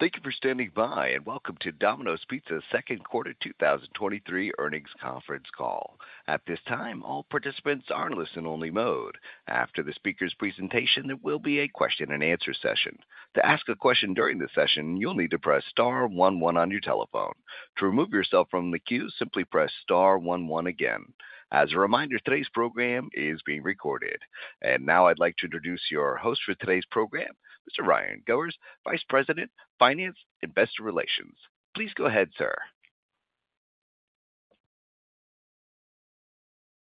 Thank you for standing by. Welcome to Domino's Pizza's 2nd quarter 2023 earnings conference call. At this time, all participants are in listen-only mode. After the speaker's presentation, there will be a question-and-answer session. To ask a question during the session, you'll need to press star 11 on your telephone. To remove yourself from the queue, simply press star 11 again. As a reminder, today's program is being recorded. Now I'd like to introduce your host for today's program, Mr. Ryan Goers, Vice President, Finance, Investor Relations. Please go ahead, sir.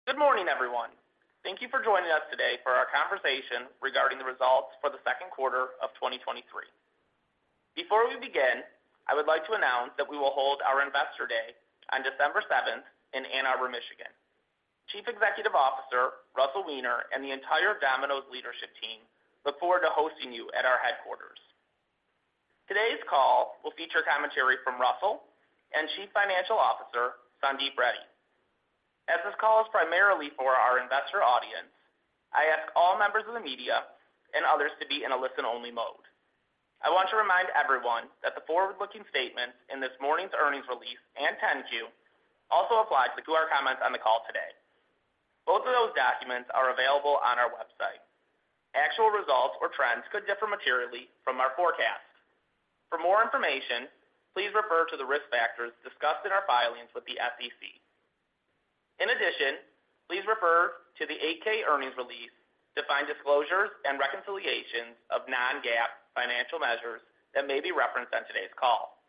Good morning, everyone. Thank you for joining us today for our conversation regarding the results for the second quarter of 2023. Before we begin, I would like to announce that we will hold our Investor Day on December 7th in Ann Arbor, Michigan. Chief Executive Officer, Russell Weiner, the entire Domino's leadership team look forward to hosting you at our headquarters. Today's call will feature commentary from Russell and Chief Financial Officer, Sandeep Reddy. As this call is primarily for our investor audience, I ask all members of the media and others to be in a listen-only mode. I want to remind everyone that the forward-looking statements in this morning's earnings release and 10-Q also apply to our comments on the call today. Both of those documents are available on our website. Actual results or trends could differ materially from our forecast. For more information, please refer to the risk factors discussed in our filings with the SEC. Please refer to the 8-K earnings release to find disclosures and reconciliations of non-GAAP financial measures that may be referenced on today's call.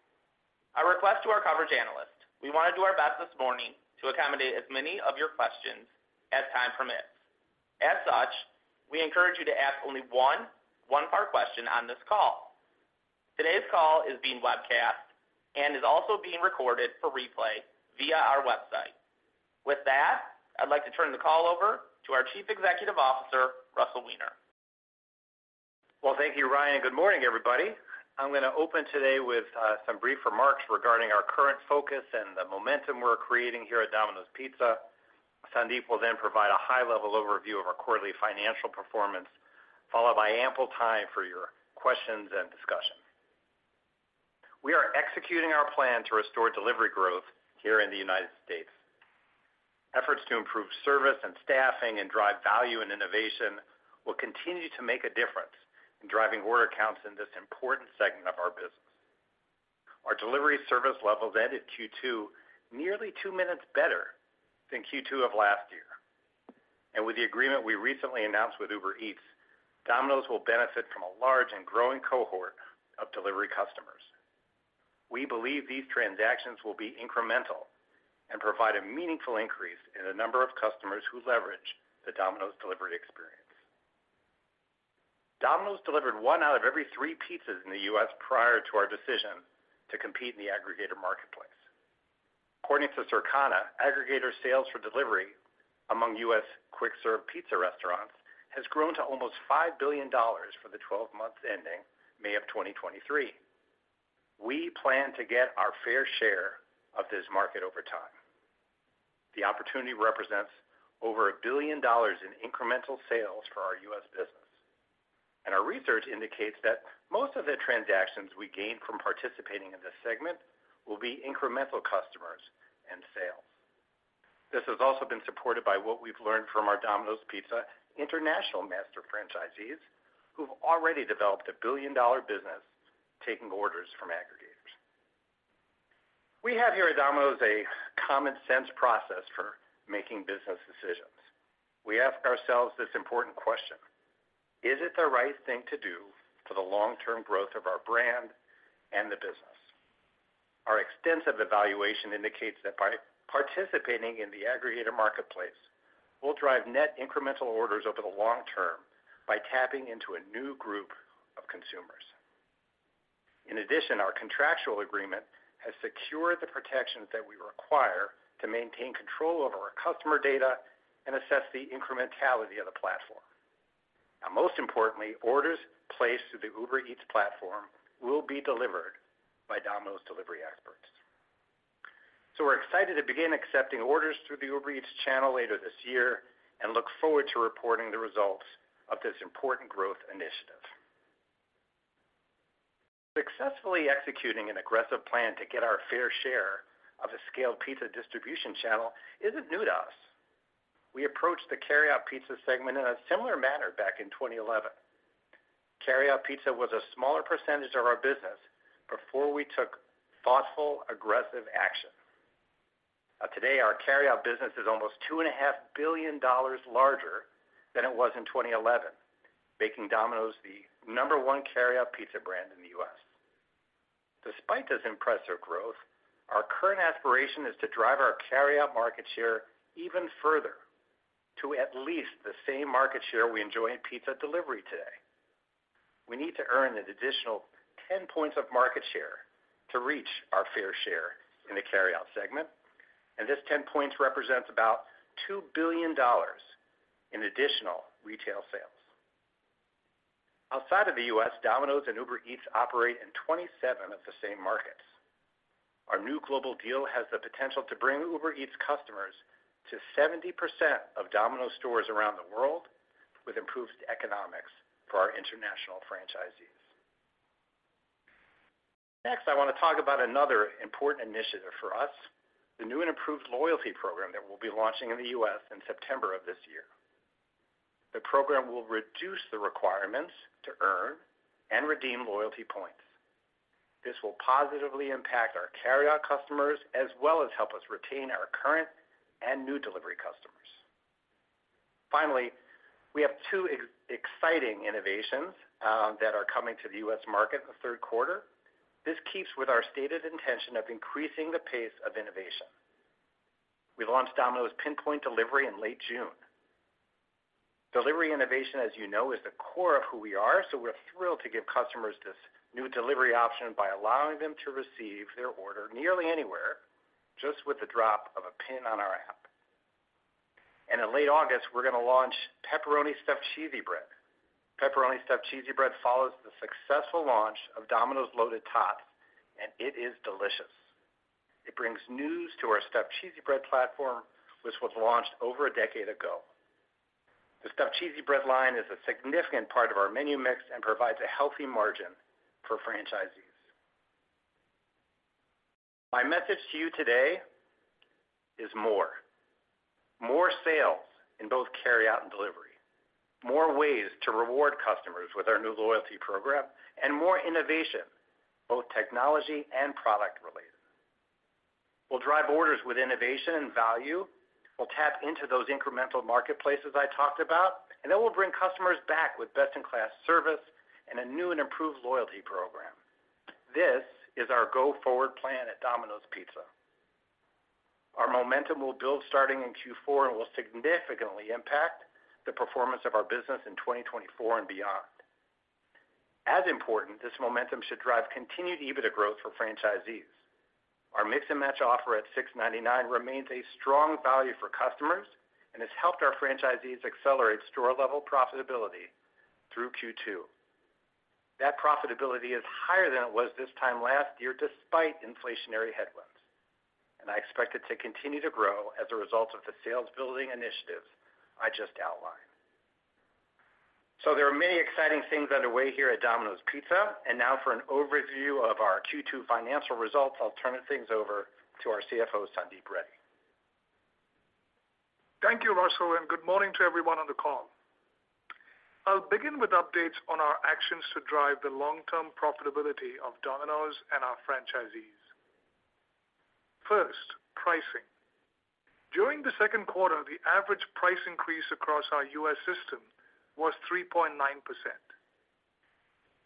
A request to our coverage analyst: We want to do our best this morning to accommodate as many of your questions as time permits. We encourage you to ask only one one-part question on this call. Today's call is being webcast and is also being recorded for replay via our website. I'd like to turn the call over to our Chief Executive Officer, Russell Weiner. Well, thank you, Ryan, and good morning, everybody. I'm gonna open today with some brief remarks regarding our current focus and the momentum we're creating here at Domino's Pizza. Sandeep will then provide a high-level overview of our quarterly financial performance, followed by ample time for your questions and discussion. We are executing our plan to restore delivery growth here in the United States. Efforts to improve service and staffing and drive value and innovation will continue to make a difference in driving order counts in this important segment of our business. Our delivery service levels ended Q2 nearly 2 minutes better than Q2 of last year. With the agreement we recently announced with Uber Eats, Domino's will benefit from a large and growing cohort of delivery customers. We believe these transactions will be incremental and provide a meaningful increase in the number of customers who leverage the Domino's delivery experience. Domino's delivered 1 out of every 3 pizzas in the U.S. prior to our decision to compete in the aggregator marketplace. According to Circana, aggregator sales for delivery among U.S. quick-serve pizza restaurants has grown to almost $5 billion for the 12 months ending May of 2023. We plan to get our fair share of this market over time. The opportunity represents over $1 billion in incremental sales for our U.S. business, and our research indicates that most of the transactions we gain from participating in this segment will be incremental customers and sales. This has also been supported by what we've learned from our Domino's Pizza International master franchisees, who've already developed a billion-dollar business taking orders from aggregators. We have here at Domino's a common sense process for making business decisions. We ask ourselves this important question: Is it the right thing to do for the long-term growth of our brand and the business? Our extensive evaluation indicates that by participating in the aggregator marketplace, we'll drive net incremental orders over the long term by tapping into a new group of consumers. In addition, our contractual agreement has secured the protections that we require to maintain control over our customer data and assess the incrementality of the platform. Most importantly, orders placed through the Uber Eats platform will be delivered by Domino's delivery experts. We're excited to begin accepting orders through the Uber Eats channel later this year and look forward to reporting the results of this important growth initiative. Successfully executing an aggressive plan to get our fair share of a scaled pizza distribution channel isn't new to us. We approached the carryout pizza segment in a similar manner back in 2011. Carryout pizza was a smaller percentage of our business before we took thoughtful, aggressive action. Today, our carryout business is almost $2.5 billion larger than it was in 2011, making Domino's the number one carryout pizza brand in the U.S. Despite this impressive growth, our current aspiration is to drive our carryout market share even further to at least the same market share we enjoy in pizza delivery today. We need to earn an additional 10 points of market share to reach our fair share in the carryout segment, and this 10 points represents about $2 billion in additional retail sales. Outside of the U.S., Domino's and Uber Eats operate in 27 of the same markets. Our new global deal has the potential to bring Uber Eats customers to 70% of Domino's stores around the world, with improved economics for our international franchisees. Next, I want to talk about another important initiative for us, the new and improved loyalty program that we'll be launching in the U.S. in September of this year. The program will reduce the requirements to earn and redeem loyalty points. This will positively impact our carryout customers, as well as help us retain our current and new delivery customers. Finally, we have two exciting innovations that are coming to the U.S. market in the 3rd quarter. This keeps with our stated intention of increasing the pace of innovation. We launched Domino's Pinpoint Delivery in late June. Delivery innovation, as you know, is the core of who we are, so we're thrilled to give customers this new delivery option by allowing them to receive their order nearly anywhere, just with the drop of a pin on our app. In late August, we're gonna launch Pepperoni Stuffed Cheesy Bread. Pepperoni Stuffed Cheesy Bread follows the successful launch of Domino's Loaded Tots, and it is delicious. It brings news to our Stuffed Cheesy Bread platform, which was launched over a decade ago. The Stuffed Cheesy Bread line is a significant part of our menu mix and provides a healthy margin for franchisees. My message to you today is more. More sales in both carryout and delivery, more ways to reward customers with our new loyalty program, and more innovation, both technology and product related. We'll drive orders with innovation and value. We'll tap into those incremental marketplaces I talked about. Then we'll bring customers back with best-in-class service and a new and improved loyalty program. This is our go-forward plan at Domino's Pizza. Our momentum will build starting in Q4 and will significantly impact the performance of our business in 2024 and beyond. As important, this momentum should drive continued EBITDA growth for franchisees. Our Mix and Match offer at $6.99 remains a strong value for customers and has helped our franchisees accelerate store-level profitability through Q2. That profitability is higher than it was this time last year, despite inflationary headwinds. I expect it to continue to grow as a result of the sales-building initiatives I just outlined. There are many exciting things underway here at Domino's Pizza, and now for an overview of our Q2 financial results, I'll turn things over to our CFO, Sandeep Reddy. Thank you, Russell, and good morning to everyone on the call. I'll begin with updates on our actions to drive the long-term profitability of Domino's and our franchisees. First, pricing. During the second quarter, the average price increase across our U.S. system was 3.9%.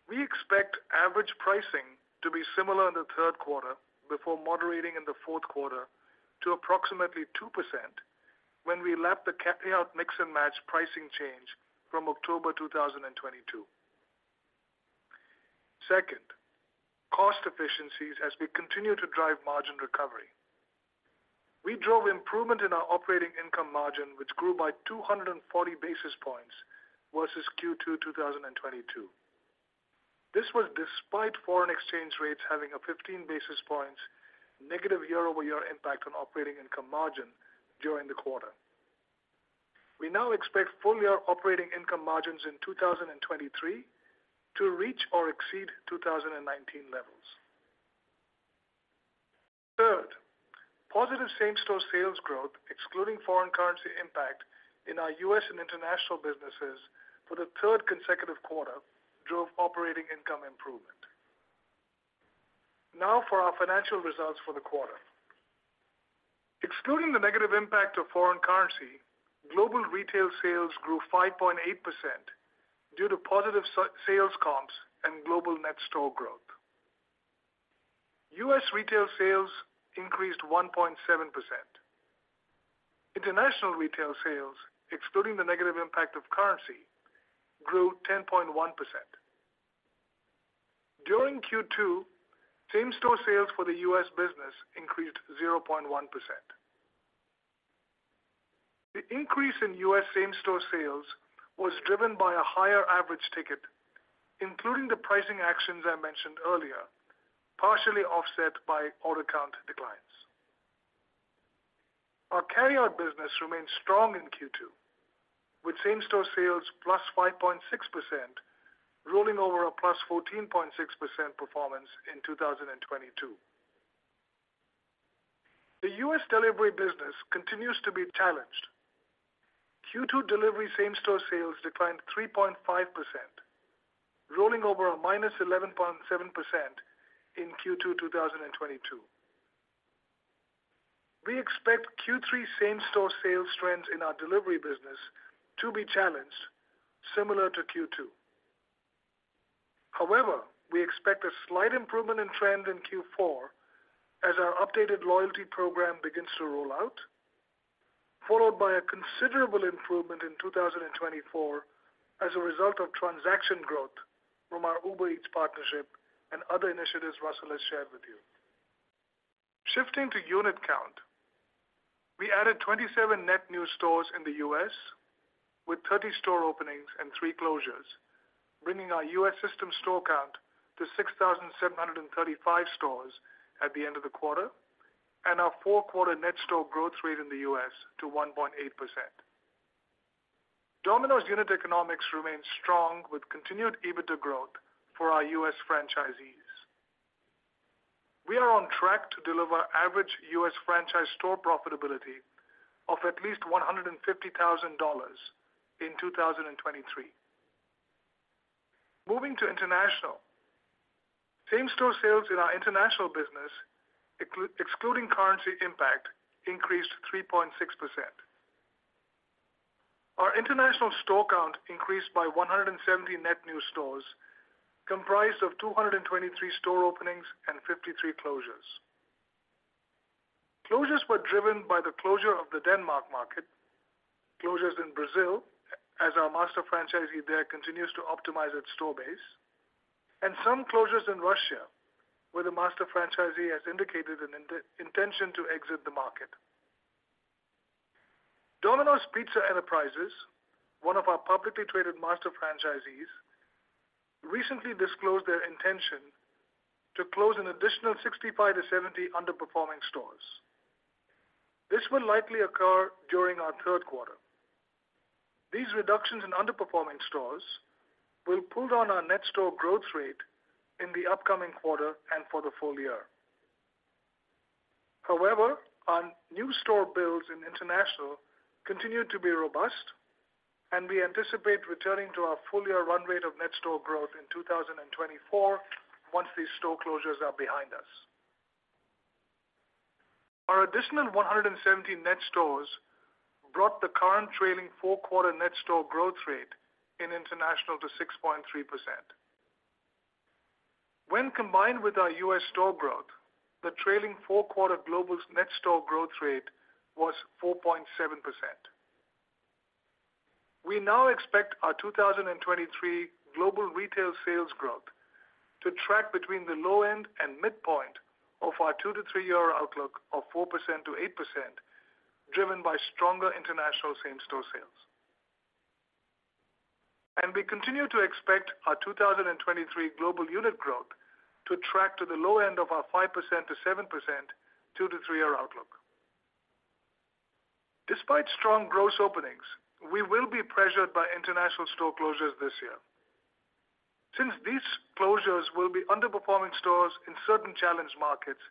We expect average pricing to be similar in the third quarter before moderating in the fourth quarter to approximately 2% when we lap the carryout Mix and Match pricing change from October 2022. Second, cost efficiencies as we continue to drive margin recovery. We drove improvement in our operating income margin, which grew by 240 basis points versus Q2 2022. This was despite foreign exchange rates having a 15 basis points negative year-over-year impact on operating income margin during the quarter. We now expect full-year operating income margins in 2023 to reach or exceed 2019 levels. Third, positive same-store sales growth, excluding foreign currency impact in our U.S. and International businesses for the third consecutive quarter, drove operating income improvement. For our financial results for the quarter. Excluding the negative impact of foreign currency, global retail sales grew 5.8% due to positive sales comps and global net store growth. U.S. retail sales increased 1.7%. International retail sales, excluding the negative impact of currency, grew 10.1%. During Q2, same-store sales for the U.S. business increased 0.1%. The increase in U.S. same-store sales was driven by a higher average ticket, including the pricing actions I mentioned earlier, partially offset by order count declines. Our carryout business remained strong in Q2, with same-store sales +5.6%, rolling over a +14.6% performance in 2022. The U.S. delivery business continues to be challenged. Q2 delivery same-store sales declined 3.5%, rolling over a -11.7% in Q2 2022. We expect Q3 same-store sales trends in our delivery business to be challenged, similar to Q2. However, we expect a slight improvement in trend in Q4 as our updated loyalty program begins to roll out, followed by a considerable improvement in 2024 as a result of transaction growth from our Uber Eats partnership and other initiatives Russell has shared with you. Shifting to unit count. We added 27 net new stores in the U.S., with 30 store openings and 3 closures, bringing our U.S. system store count to 6,735 stores at the end of the quarter, and our 4-quarter net store growth rate in the U.S. to 1.8%. Domino's unit economics remains strong, with continued EBITDA growth for our U.S. franchisees. We are on track to deliver average U.S. franchise store profitability of at least $150,000 in 2023. Moving to international. Same-store sales in our international business, excluding currency impact, increased 3.6%. Our international store count increased by 170 net new stores, comprised of 223 store openings and 53 closures. Closures were driven by the closure of the Denmark market, closures in Brazil, as our master franchisee there continues to optimize its store base, and some closures in Russia, where the master franchisee has indicated an intention to exit the market. Domino's Pizza Enterprises, one of our publicly traded master franchisees, recently disclosed their intention to close an additional 65-70 underperforming stores. This will likely occur during our third quarter. These reductions in underperforming stores will pull down our net store growth rate in the upcoming quarter and for the full year. Our new store builds in international continued to be robust, and we anticipate returning to our full-year run rate of net store growth in 2024, once these store closures are behind us. Our additional 170 net stores brought the current trailing four-quarter net store growth rate in international to 6.3%. When combined with our U.S. store growth, the trailing four-quarter global net store growth rate was 4.7%. We now expect our 2023 global retail sales growth to track between the low end and midpoint of our two to three-year outlook of 4%-8%, driven by stronger international same-store sales. We continue to expect our 2023 global unit growth to track to the low end of our 5%-7%, two to three-year outlook. Despite strong gross openings, we will be pressured by international store closures this year. Since these closures will be underperforming stores in certain challenged markets,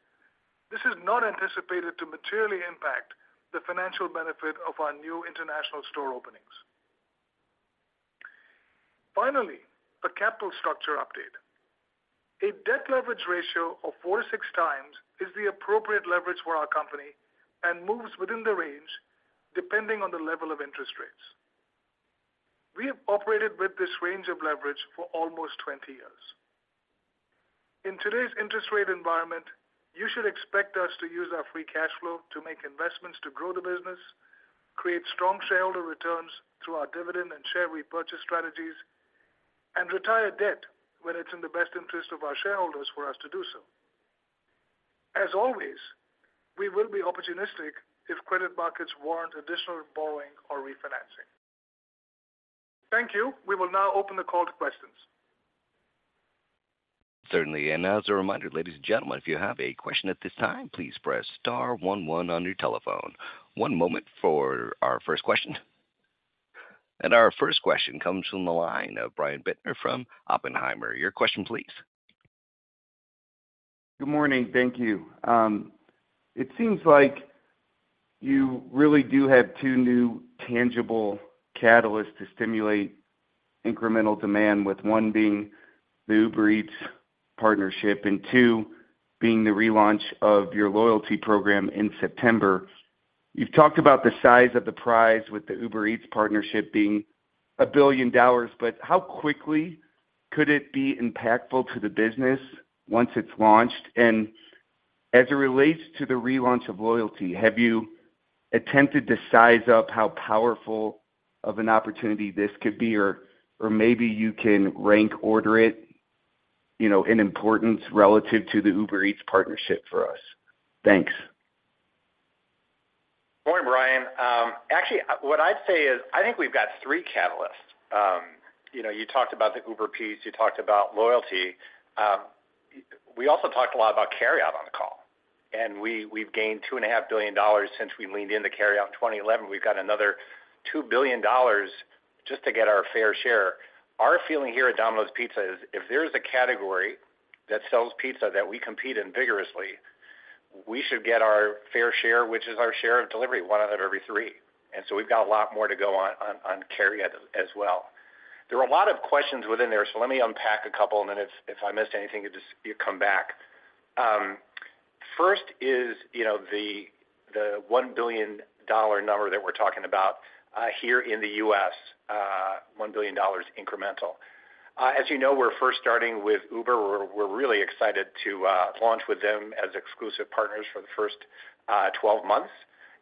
this is not anticipated to materially impact the financial benefit of our new international store openings. Finally, a capital structure update. A debt leverage ratio of 4 to 6 times is the appropriate leverage for our company and moves within the range, depending on the level of interest rates. We have operated with this range of leverage for almost 20 years. In today's interest rate environment, you should expect us to use our free cash flow to make investments to grow the business, create strong shareholder returns through our dividend and share repurchase strategies, and retire debt when it's in the best interest of our shareholders for us to do so. As always, we will be opportunistic if credit markets warrant additional borrowing or refinancing. Thank you. We will now open the call to questions. Certainly. As a reminder, ladies and gentlemen, if you have a question at this time, please press star 11 on your telephone. One moment for our first question. Our first question comes from the line of Brian Bittner from Oppenheimer. Your question, please. Good morning. Thank you. It seems like you really do have two new tangible catalysts to stimulate incremental demand, with 1 being the Uber Eats partnership, and 2, being the relaunch of your loyalty program in September. You've talked about the size of the prize, with the Uber Eats partnership being $1 billion, how quickly could it be impactful to the business once it's launched? As it relates to the relaunch of loyalty, have you attempted to size up how powerful of an opportunity this could be? Or maybe you can rank order it, you know, in importance relative to the Uber Eats partnership for us. Thanks. Morning, Brian. Actually, what I'd say is, I think we've got three catalysts. You know, you talked about the Uber piece, you talked about loyalty. We also talked a lot about carryout on the call, and we've gained two and a half billion dollars since we leaned into carryout in 2011. We've got another $2 billion just to get our fair share. Our feeling here at Domino's Pizza is, if there's a category that sells pizza that we compete in vigorously, we should get our fair share, which is our share of delivery, 1 out of every 3. We've got a lot more to go on carryout as well. There are a lot of questions within there, so let me unpack a couple, and then if I missed anything, just you come back. First is the $1 billion number that we're talking about here in the US, $1 billion incremental. As we're first starting with Uber. We're really excited to launch with them as exclusive partners for the 1st 12 months.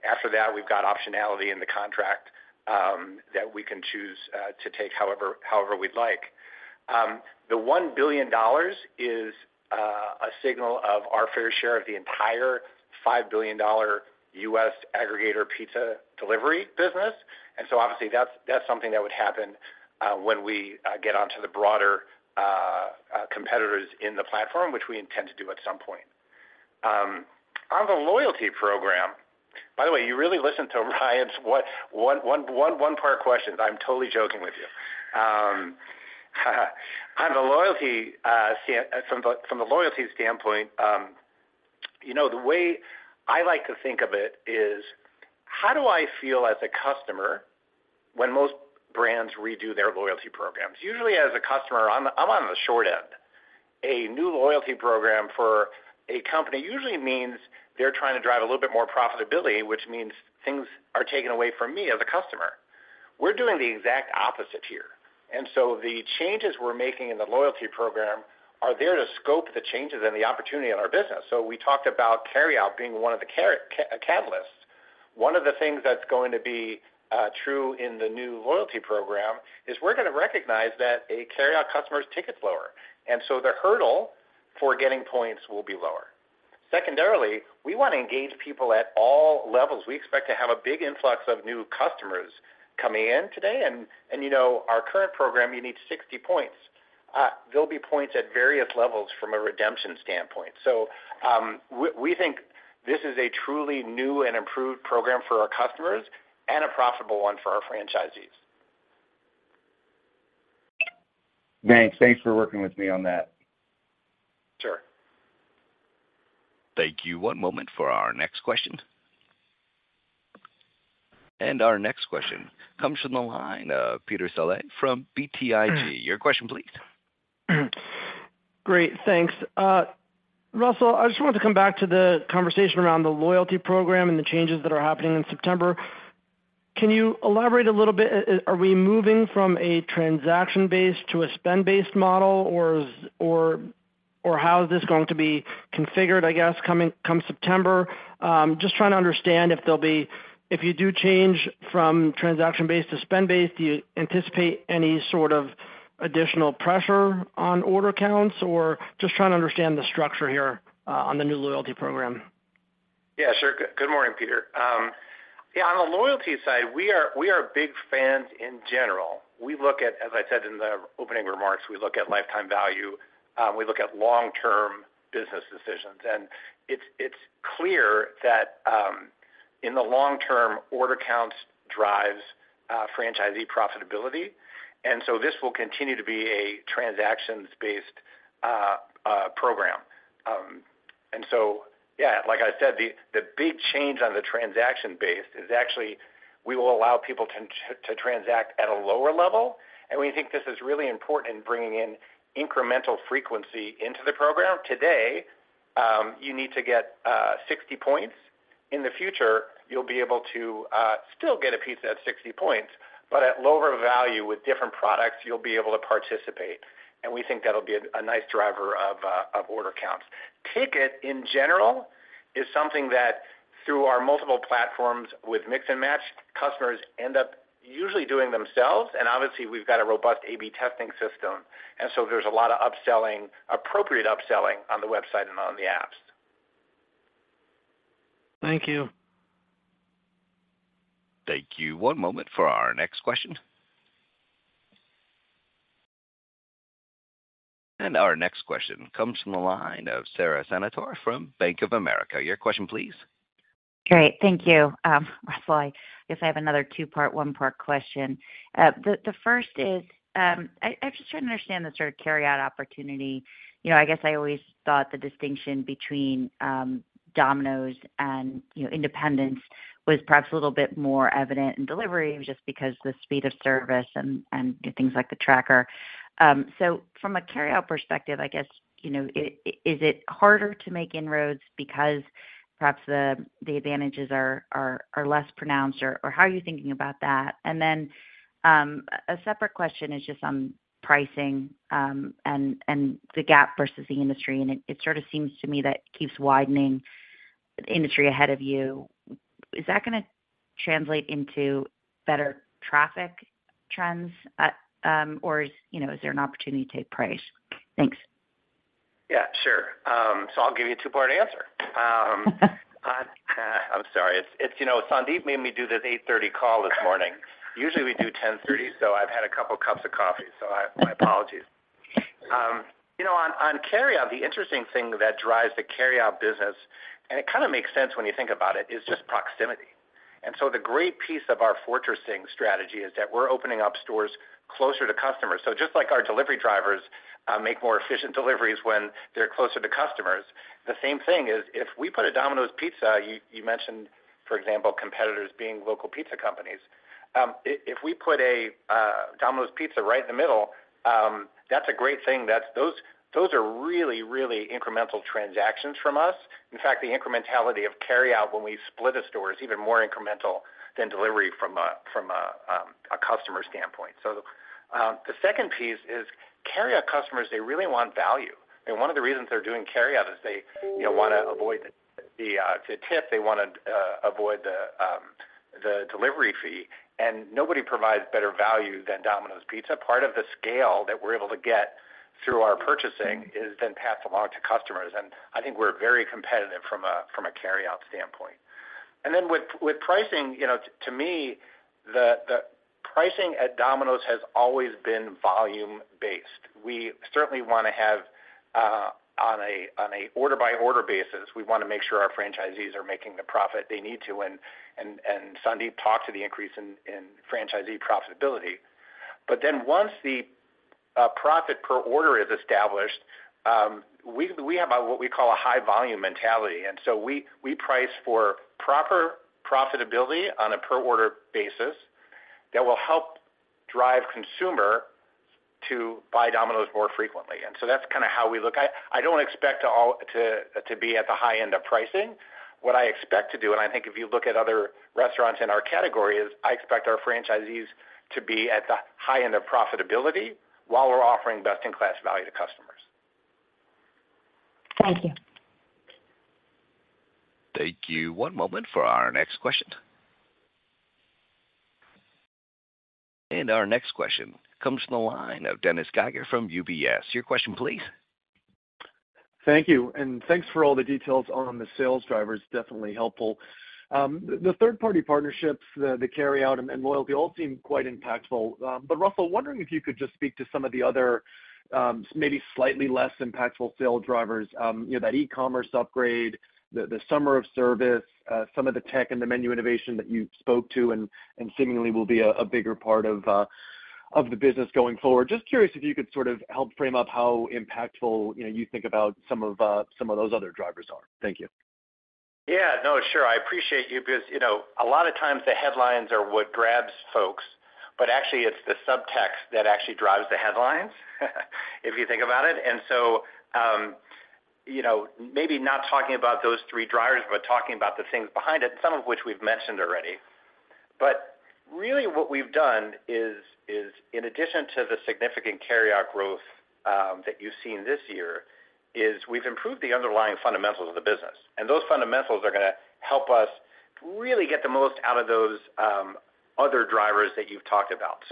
After that, we've got optionality in the contract that we can choose to take however we'd like. The $1 billion is a signal of our fair share of the entire $5 billion US aggregator pizza delivery business. Obviously, that's something that would happen when we get onto the broader competitors in the platform, which we intend to do at some point. On the loyalty program, by the way, you really listened to Ryan's what, one-part questions. I'm totally joking with you. On the loyalty, from the loyalty standpoint, you know, the way I like to think of it is, how do I feel as a customer when most brands redo their loyalty programs? Usually, as a customer, I'm on the short end. A new loyalty program for a company usually means they're trying to drive a little bit more profitability, which means things are taken away from me as a customer. We're doing the exact opposite here. The changes we're making in the loyalty program are there to scope the changes and the opportunity in our business. We talked about carryout being one of the catalysts. One of the things that's going to be true in the new loyalty program is we're gonna recognize that a carryout customer's ticket's lower, and so the hurdle for getting points will be lower. Secondarily, we want to engage people at all levels. We expect to have a big influx of new customers coming in today, and, you know, our current program, you need 60 points. There'll be points at various levels from a redemption standpoint. We, we think this is a truly new and improved program for our customers and a profitable one for our franchisees. Thanks. Thanks for working with me on that. Sure. Thank you. One moment for our next question. Our next question comes from the line of Peter Saleh from BTIG. Your question, please. Great, thanks. Russell, I just wanted to come back to the conversation around the loyalty program and the changes that are happening in September. Can you elaborate a little bit? Are we moving from a transaction-based to a spend-based model, or how is this going to be configured, I guess, come September? Just trying to understand if you do change from transaction-based to spend-based, do you anticipate any sort of additional pressure on order counts, or just trying to understand the structure here on the new loyalty program? Yeah, sure. Good morning, Peter. Yeah, on the loyalty side, we are big fans in general. We look at, as I said in the opening remarks, we look at lifetime value, we look at long-term business decisions, it's clear that in the long term, order counts drives franchisee profitability, this will continue to be a transactions-based program. Yeah, like I said, the big change on the transaction-based is actually we will allow people to transact at a lower level, and we think this is really important in bringing in incremental frequency into the program. Today, you need to get 60 points. In the future, you'll be able to still get a pizza at 60 points, but at lower value with different products, you'll be able to participate, and we think that'll be a nice driver of order counts. Ticket, in general, is something that through our multiple platforms with Mix and Match, customers end up usually doing themselves, and obviously, we've got a robust A/B testing system, and so there's a lot of upselling, appropriate upselling on the website and on the apps. Thank you. Thank you. One moment for our next question. Our next question comes from the line of Sara Senatore from Bank of America. Your question, please. Great. Thank you. Russell, I guess I have another two-part, one-part question. The first is, I'm just trying to understand the sort of carryout opportunity. You know, I guess I always thought the distinction between Domino's and, you know, independents was perhaps a little bit more evident in delivery, just because the speed of service and things like the tracker. So from a carryout perspective, I guess, you know, is it harder to make inroads because perhaps the advantages are less pronounced, or how are you thinking about that? Then, a separate question is just on pricing, and the gap versus the industry, and it sort of seems to me that it keeps widening the industry ahead of you. Is that gonna translate into better traffic trends, or is, you know, is there an opportunity to take price? Thanks. Yeah, sure. I'll give you a two-part answer. I'm sorry. It's, you know, Sandeep Reddy made me do this 8:30 call this morning. Usually, we do 10:30, my apologies. You know, on carryout, the interesting thing that drives the carryout business, and it kind of makes sense when you think about it, is just proximity. The great piece of our fortressing strategy is that we're opening up stores closer to customers. Just like our delivery drivers make more efficient deliveries when they're closer to customers, the same thing is, if we put a Domino's Pizza, you mentioned, for example, competitors being local pizza companies. If we put a Domino's Pizza right in the middle, that's a great thing. Those are really incremental transactions from us. In fact, the incrementality of carryout when we split a store is even more incremental than delivery from a customer standpoint. The second piece is carryout customers, they really want value, and one of the reasons they're doing carryout is they, you know, want to avoid the tip. They want to avoid the delivery fee, and nobody provides better value than Domino's Pizza. Part of the scale that we're able to get through our purchasing is then passed along to customers, and I think we're very competitive from a carryout standpoint. With pricing, you know, to me, the pricing at Domino's has always been volume-based. We certainly wanna have, on a order-by-order basis, we wanna make sure our franchisees are making the profit they need to, and Sandeep talked to the increase in franchisee profitability. Once the profit per order is established, we have what we call a high volume mentality. We price for proper profitability on a per order basis that will help drive consumer to buy Domino's more frequently. That's kinda how we look at it. I don't expect all to be at the high end of pricing. What I expect to do, and I think if you look at other restaurants in our category, is I expect our franchisees to be at the high end of profitability while we're offering best-in-class value to customers. Thank you. Thank you. One moment for our next question. Our next question comes from the line of Dennis Geiger from UBS. Your question, please. Thank you. Thanks for all the details on the sales drivers. Definitely helpful. The third-party partnerships, the carryout and loyalty all seem quite impactful. Russell, wondering if you could just speak to some of the other, maybe slightly less impactful sales drivers, you know, that e-commerce upgrade, the Summer of Service, some of the tech and the menu innovation that you spoke to and seemingly will be a bigger part of the business going forward. Just curious if you could sort of help frame up how impactful, you know, you think about some of those other drivers are. Thank you. Yeah. No, sure. I appreciate you because, you know, a lot of times the headlines are what grabs folks, but actually it's the subtext that actually drives the headlines, if you think about it. You know, maybe not talking about those three drivers, but talking about the things behind it, some of which we've mentioned already. Really what we've done is, in addition to the significant carryout growth that you've seen this year, is we've improved the underlying fundamentals of the business, and those fundamentals are gonna help us really get the most out of those other drivers that you've talked about.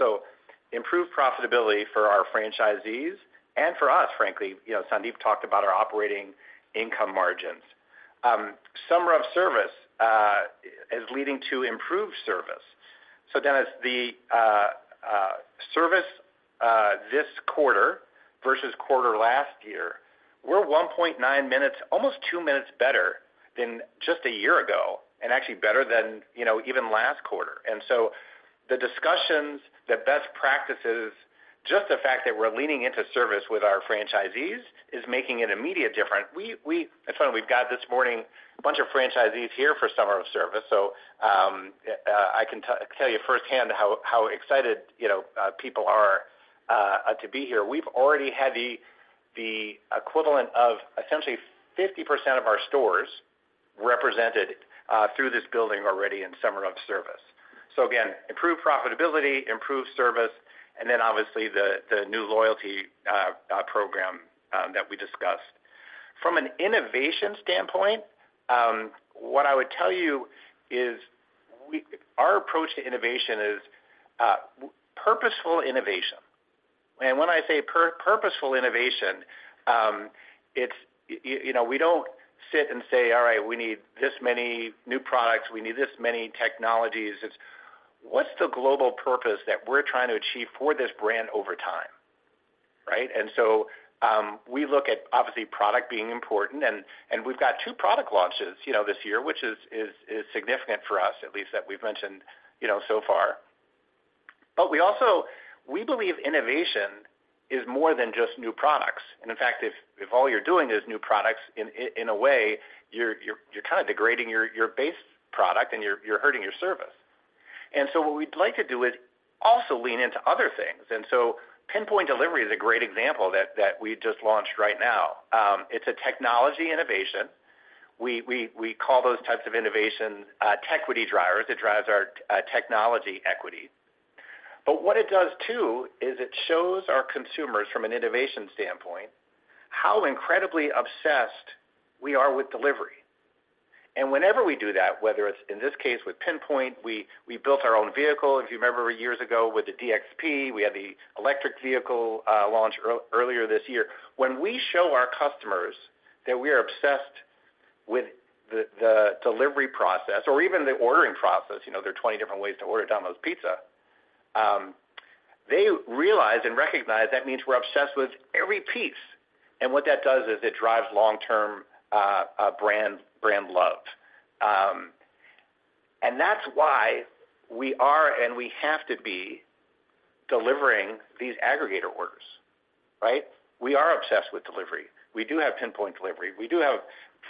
Improved profitability for our franchisees and for us, frankly. You know, Sandeep talked about our operating income margins. Summer of Service is leading to improved service. Dennis, the service this quarter versus quarter last year, we're 1.9 minutes, almost 2 minutes better than just a year ago and actually better than, you know, even last quarter. The discussions, the best practices, just the fact that we're leaning into service with our franchisees is making an immediate difference. We. It's funny, we've got this morning a bunch of franchisees here for Summer of Service, so I can tell you firsthand how excited, you know, people are to be here. We've already had the equivalent of essentially 50% of our stores represented through this building already in Summer of Service. Again, improved profitability, improved service, and then obviously, the new loyalty program that we discussed. From an innovation standpoint, what I would tell you is our approach to innovation is purposeful innovation. When I say purposeful innovation, it's, you know, we don't sit and say: All right, we need this many new products. We need this many technologies. It's what's the global purpose that we're trying to achieve for this brand over time, right? So we look at obviously product being important, and we've got 2 product launches, you know, this year, which is significant for us, at least, that we've mentioned, you know, so far. We also, we believe innovation is more than just new products. In fact, if all you're doing is new products, in a way, you're kind of degrading your base product and you're hurting your service. What we'd like to do is also lean into other things. Pinpoint Delivery is a great example that we just launched right now. It's a technology innovation. We call those types of innovations, tequity drivers. It drives our technology equity. What it does, too, is it shows our consumers, from an innovation standpoint, how incredibly obsessed we are with delivery. Whenever we do that, whether it's in this case, with Pinpoint, we built our own vehicle. If you remember, years ago with the DXP, we had the electric vehicle launch earlier this year. When we show our customers that we are obsessed with the delivery process or even the ordering process, you know, there are 20 different ways to order a Domino's Pizza, they realize and recognize that means we're obsessed with every piece, and what that does is it drives long-term brand love. That's why we are, and we have to be, delivering these aggregator orders, right? We are obsessed with delivery. We do have Pinpoint Delivery. We do have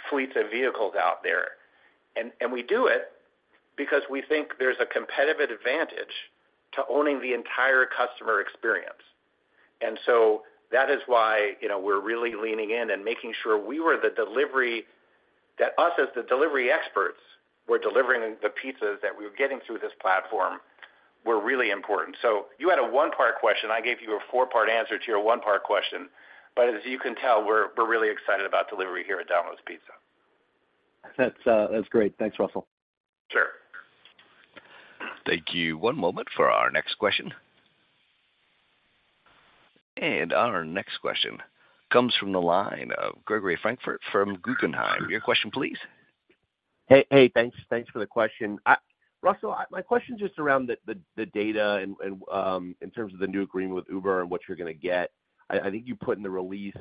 fleets of vehicles out there, and we do it because we think there's a competitive advantage to owning the entire customer experience. That is why, you know, we're really leaning in and making sure we were the delivery, that us, as the delivery experts, were delivering the pizzas that we were getting through this platform were really important. You had a one-part question, I gave you a four-part answer to your one-part question. As you can tell, we're really excited about delivery here at Domino's Pizza. That's, that's great. Thanks, Russell. Sure. Thank you. One moment for our next question. Our next question comes from the line of Gregory Francfort from Guggenheim. Your question, please. Hey, hey, thanks. Thanks for the question. Russell, my question just around the data and in terms of the new agreement with Uber and what you're gonna get. I think you put in the release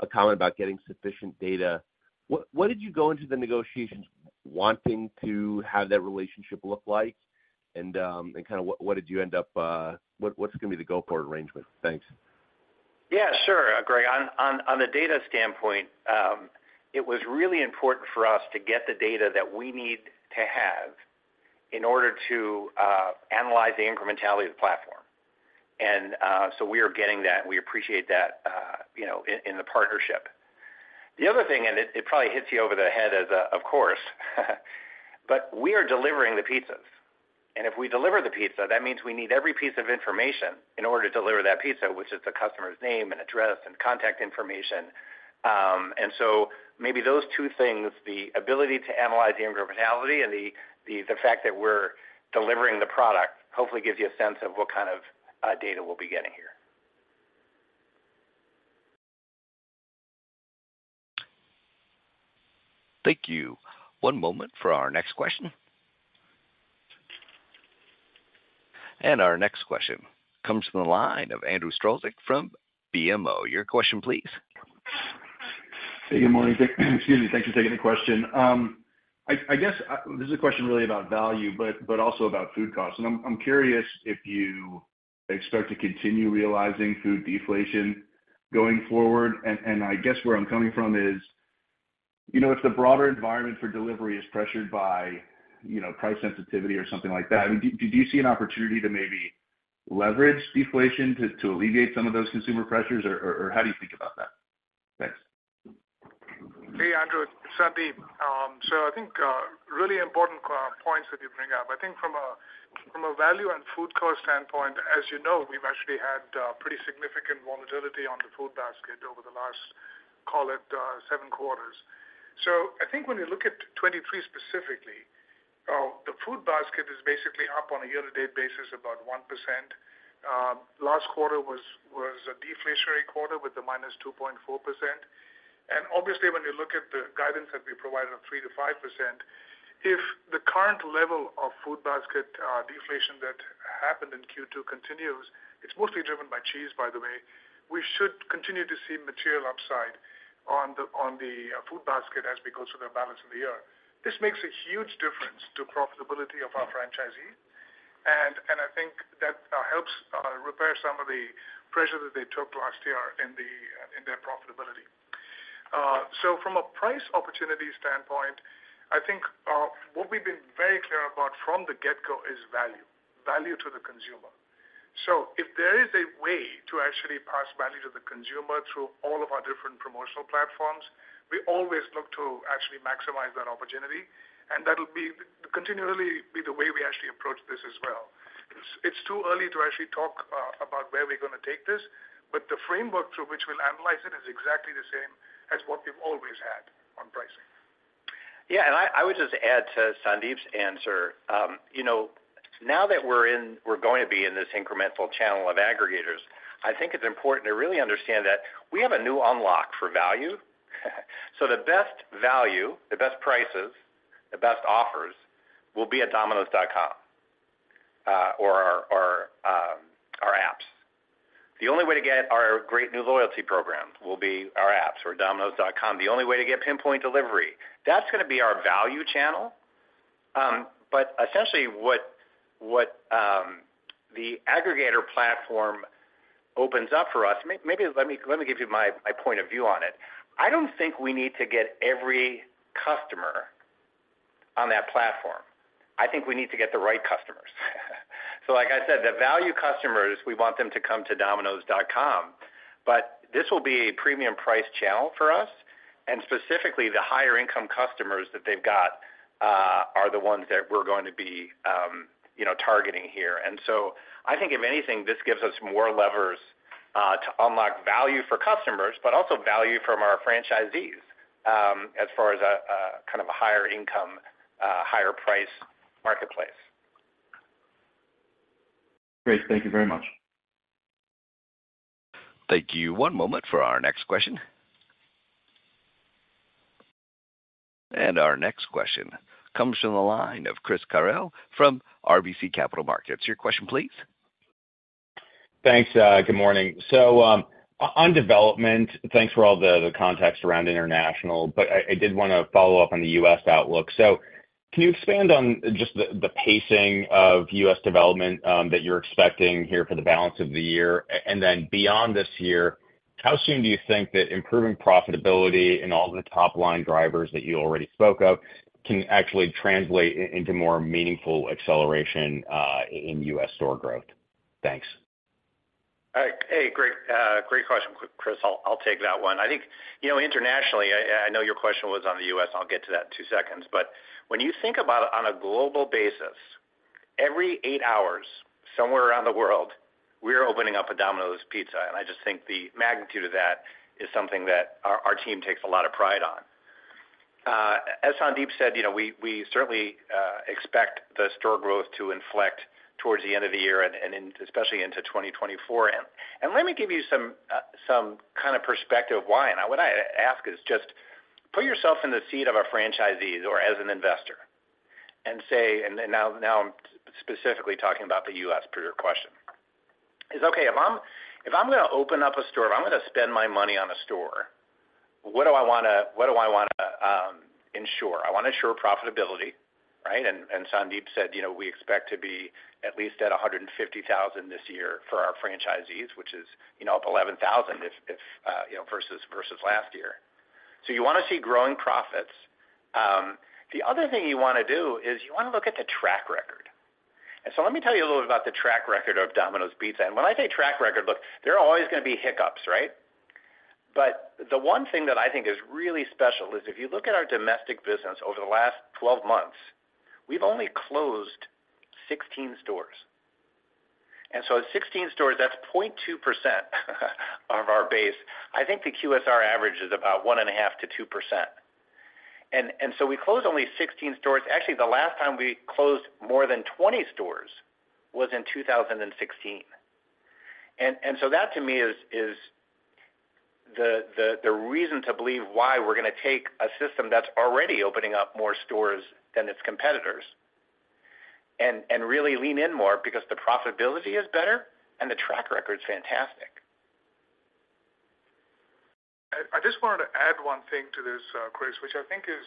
a comment about getting sufficient data. What did you go into the negotiations wanting to have that relationship look like? Kind of what did you end up, what's going to be the go-forward arrangement? Thanks. Yeah, sure, Greg. On the data standpoint, it was really important for us to get the data that we need to have in order to analyze the incrementality of the platform. So we are getting that. We appreciate that, you know, in the partnership. The other thing, and it probably hits you over the head as of course, but we are delivering the pizzas. If we deliver the pizza, that means we need every piece of information in order to deliver that pizza, which is the customer's name and address and contact information. So maybe those two things, the ability to analyze the incrementality and the fact that we're delivering the product, hopefully gives you a sense of what kind of data we'll be getting here. Thank you. One moment for our next question. Our next question comes from the line of Andrew Strelzik from BMO. Your question, please. Hey, good morning. Excuse me. Thanks for taking the question. I guess, this is a question really about value, but also about food costs. I'm curious if you expect to continue realizing food deflation going forward. I guess where I'm coming from is, you know, if the broader environment for delivery is pressured by, you know, price sensitivity or something like that, I mean, do you see an opportunity to maybe leverage deflation to alleviate some of those consumer pressures, or how do you think about that? Thanks. Hey, Andrew, Sandeep. I think really important points that you bring up. I think from a value and food cost standpoint, as you know, we've actually had pretty significant volatility on the food basket over the last, call it, 7 quarters. I think when you look at 23 specifically, the food basket is basically up on a year-to-date basis, about 1%. Last quarter was a deflationary quarter with the -2.4%. Obviously, when you look at the guidance that we provided on 3%-5%, if the current level of food basket deflation that happened in Q2 continues, it's mostly driven by cheese, by the way, we should continue to see material upside on the food basket as we go through the balance of the year. This makes a huge difference to profitability of our franchisees, and I think that helps repair some of the pressure that they took last year in their profitability. From a price opportunity standpoint, I think what we've been very clear about from the get-go is value to the consumer. If there is a way to actually pass value to the consumer through all of our different promotional platforms, we always look to actually maximize that opportunity. That'll be continually be the way we actually approach this as well. It's too early to actually talk about where we're gonna take this, but the framework through which we'll analyze it is exactly the same as what we've always had on pricing. I would just add to Sandeep's answer. You know, now that we're going to be in this incremental channel of aggregators, I think it's important to really understand that we have a new unlock for value. The best value, the best prices, the best offers, will be at dominos.com or our apps. The only way to get our great new loyalty program will be our apps or dominos.com. The only way to get Pinpoint Delivery, that's going to be our value channel. Essentially, what the aggregator platform opens up for us. Maybe let me give you my point of view on it. I don't think we need to get every customer on that platform. I think we need to get the right customers. Like I said, the value customers, we want them to come to dominos.com, but this will be a premium price channel for us, and specifically, the higher income customers that they've got, are the ones that we're going to be, you know, targeting here. I think if anything, this gives us more levers to unlock value for customers, but also value from our franchisees as far as a kind of a higher income, higher price marketplace. Great. Thank you very much. Thank you. One moment for our next question. Our next question comes from the line of Chris Carril from RBC Capital Markets. Your question, please. Thanks, good morning. on development, thanks for all the context around international, but I did wanna follow up on the U.S. outlook. Can you expand on just the pacing of U.S. development that you're expecting here for the balance of the year, and then beyond this year? How soon do you think that improving profitability and all the top-line drivers that you already spoke of can actually translate into more meaningful acceleration in U.S. store growth? Thanks. Hey, great question, Chris. I'll take that one. I think, you know, internationally, I know your question was on the U.S., I'll get to that in two seconds. When you think about it on a global basis, every eight hours, somewhere around the world, we are opening up a Domino's Pizza, and I just think the magnitude of that is something that our team takes a lot of pride on. As Sandeep said, you know, we certainly expect the store growth to inflect towards the end of the year and especially into 2024. Let me give you some kind of perspective why. What I'd ask is just put yourself in the seat of our franchisees or as an investor and say, then now I'm specifically talking about the U.S. per your question, is, okay, if I'm gonna open up a store, if I'm gonna spend my money on a store, what do I wanna ensure? I wanna ensure profitability, right? Sandeep said, you know, we expect to be at least at $150,000 this year for our franchisees, which is, you know, up $11,000 if, you know, versus last year. You wanna see growing profits. The other thing you wanna do is you wanna look at the track record. Let me tell you a little bit about the track record of Domino's Pizza. When I say track record, look, there are always gonna be hiccups, right? The one thing that I think is really special is if you look at our domestic business over the last 12 months, we've only closed 16 stores. 16 stores, that's 0.2% of our base. I think the QSR average is about 1.5%-2%. We closed only 16 stores. Actually, the last time we closed more than 20 stores was in 2016. That to me is the, the reason to believe why we're gonna take a system that's already opening up more stores than its competitors and really lean in more because the profitability is better and the track record is fantastic. I just wanted to add one thing to this, Chris, which I think is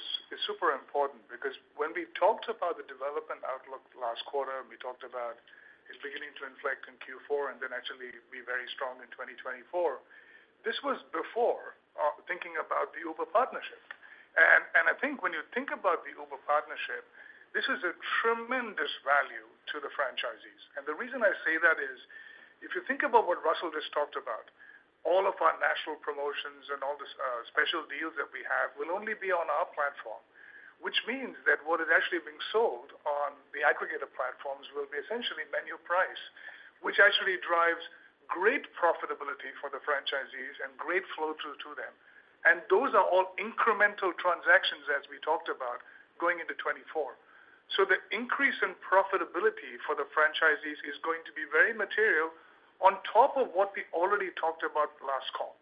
super important, because when we talked about the development outlook last quarter, we talked about it beginning to inflect in Q4 and then actually be very strong in 2024. This was before thinking about the Uber partnership. I think when you think about the Uber partnership, this is a tremendous value to the franchisees. The reason I say that is, if you think about what Russell just talked about, all of our national promotions and all the special deals that we have will only be on our platform, which means that what is actually being sold on the aggregator platforms will be essentially menu price, which actually drives great profitability for the franchisees and great flow-through to them. Those are all incremental transactions, as we talked about, going into 2024. The increase in profitability for the franchisees is going to be very material on top of what we already talked about last call.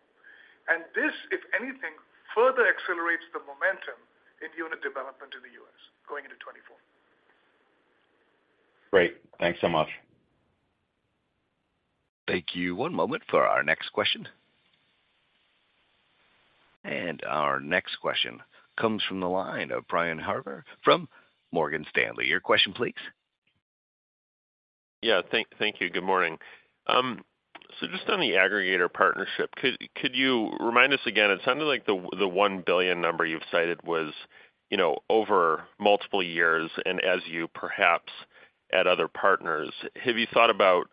This, if anything, further accelerates the momentum in unit development in the US going into 2024. Great. Thanks so much. Thank you. One moment for our next question. Our next question comes from the line of Brian Harbour from Morgan Stanley. Your question, please. Yeah, thank you. Good morning. So just on the aggregator partnership, could you remind us again, it sounded like the $1 billion number you've cited was, you know, over multiple years, and as you perhaps add other partners? Have you thought about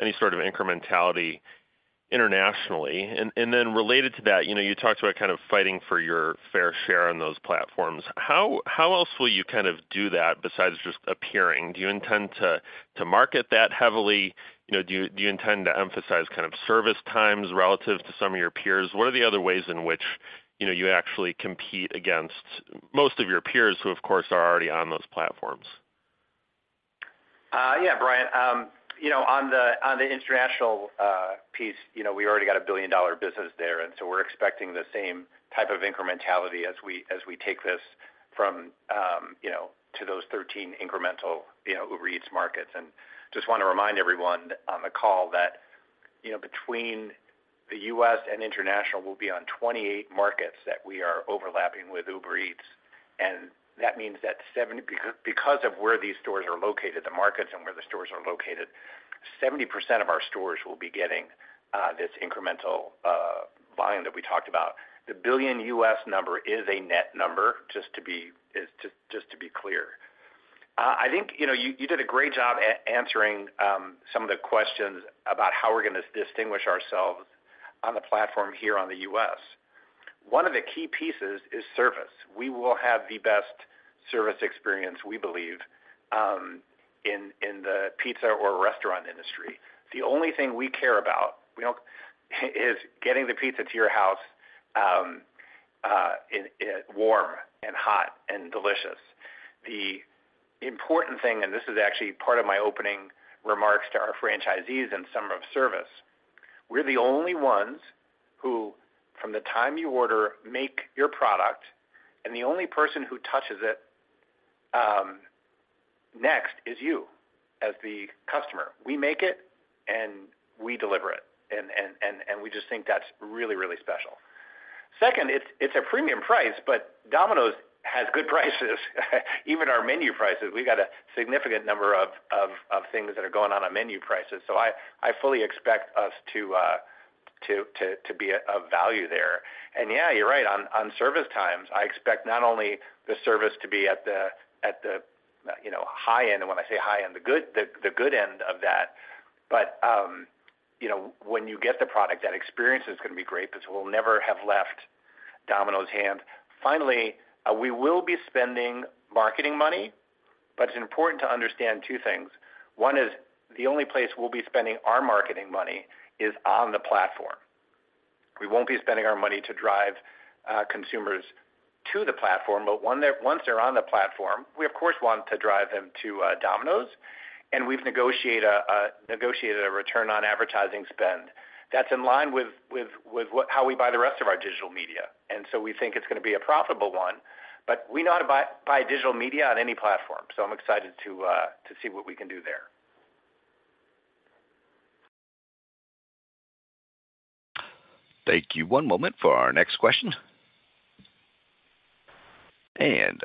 any sort of incrementality internationally? Then related to that, you know, you talked about kind of fighting for your fair share on those platforms. How else will you kind of do that besides just appearing? Do you intend to market that heavily? You know, do you intend to emphasize kind of service times relative to some of your peers? What are the other ways in which, you know, you actually compete against most of your peers, who, of course, are already on those platforms? Yeah, Brian, you know, on the, on the international piece, you know, we already got a billion-dollar business there, and so we're expecting the same type of incrementality as we, as we take this from, you know, to those 13 incremental, you know, Uber Eats markets. Just wanna remind everyone on the call that, you know, between the U.S. and international, we'll be on 28 markets that we are overlapping with Uber Eats, and that means that because of where these stores are located, the markets and where the stores are located, 70% of our stores will be getting this incremental volume that we talked about. The billion US number is a net number, just to be clear. I think, you know, you did a great job answering some of the questions about how we're gonna distinguish ourselves on the platform here on the U.S. One of the key pieces is service. We will have the best service experience, we believe, in the pizza or restaurant industry. The only thing we care about is getting the pizza to your house warm and hot and delicious. The important thing, this is actually part of my opening remarks to our franchisees in Summer of Service, we're the only ones who, from the time you order, make your product, and the only person who touches it next is you, as the customer. We make it, and we deliver it, and we just think that's really, really special. Second, it's a premium price. Domino's has good prices. Even our menu prices, we've got a significant number of things that are going on on menu prices. I fully expect us to be of value there. Yeah, you're right, on service times, I expect not only the service to be at the, you know, high end, and when I say high end, the good end of that. You know, when you get the product, that experience is gonna be great because it will never have left Domino's hand. Finally, we will be spending marketing money. It's important to understand two things. One is, the only place we'll be spending our marketing money is on the platform. We won't be spending our money to drive consumers to the platform, but once they're on the platform, we of course, want to drive them to Domino's, and we've negotiated a return on advertising spend. That's in line with how we buy the rest of our digital media. We think it's gonna be a profitable one, but we know how to buy digital media on any platform. I'm excited to see what we can do there. Thank you. One moment for our next question.